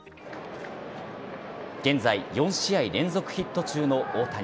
現在、４試合連続ヒット中の大谷。